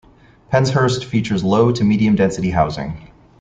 Penshurst features low to medium-density housing.